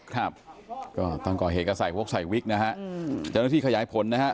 ก็ต้องก่อเหตุกระส่งพวกสัยภิกษ์นะครับแต่องุทิคย้ายผลนะฮะ